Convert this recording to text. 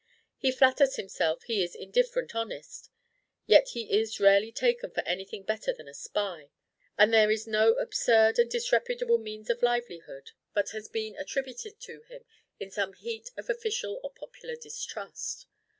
He flatters himself he is indifferent honest; yet he is rarely taken for anything better than a spy, and there is no absurd and disreputable means of livelihood but has been attributed to him in some heat of official or popular distrust.